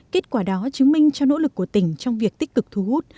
kết quả đó chứng minh cho nỗ lực của tỉnh trong việc tích cực thu hút